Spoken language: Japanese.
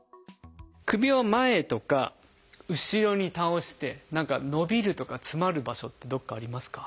首を前とか後ろに倒して何か伸びるとか詰まる場所ってどこかありますか？